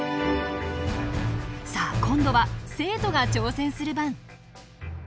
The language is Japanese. さあ今度は生徒が挑戦する番。